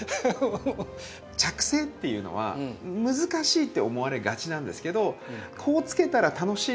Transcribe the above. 着生っていうのは難しいって思われがちなんですけど「こうつけたら楽しいだろうな」。